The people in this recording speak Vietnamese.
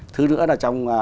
thứ nữa là trong